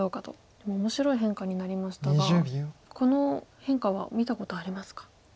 でも面白い変化になりましたがこの変化は見たことありますか。